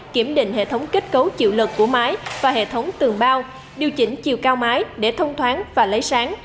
kiểm định hệ thống kết cấu chịu lực của máy và hệ thống tường bao điều chỉnh chiều cao mái để thông thoáng và lấy sáng